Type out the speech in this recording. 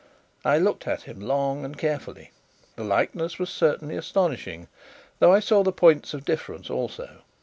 I looked at him long and carefully. The likeness was certainly astonishing, though I saw the points of difference also.